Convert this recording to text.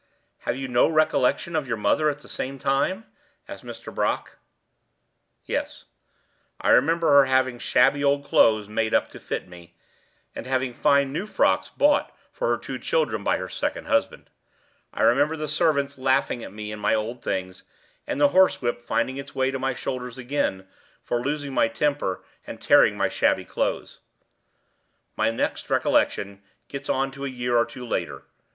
"Have you no recollection of your mother at the same time?" asked Mr. Brock. "Yes; I remember her having shabby old clothes made up to fit me, and having fine new frocks bought for her two children by her second husband. I remember the servants laughing at me in my old things, and the horsewhip finding its way to my shoulders again for losing my temper and tearing my shabby clothes. My next recollection gets on to a year or two later.